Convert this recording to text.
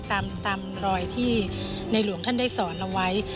ตามรอยที่ในหลวงท่านได้สอนเอาไว้